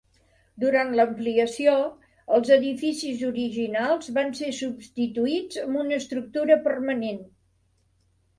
Durant l'ampliació, els edificis originals van ser substituïts amb una estructura permanent.